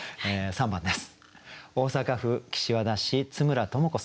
３番です。